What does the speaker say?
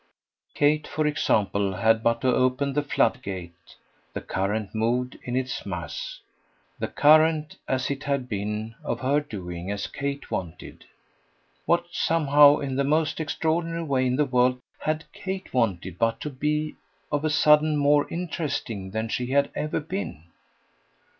Kate for example had but to open the flood gate: the current moved in its mass the current, as it had been, of her doing as Kate wanted. What, somehow, in the most extraordinary way in the world, HAD Kate wanted but to be, of a sudden, more interesting than she had ever been?